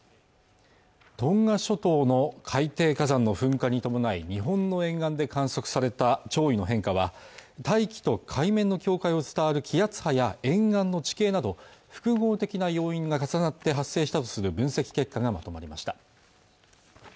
トンガ諸島の海底火山の噴火に伴い日本の沿岸で観測された潮位の変化は大気と海面の境界を伝わる気圧波や沿岸の地形など複合的な要因が重なって発生したとする分析結果がまとまりました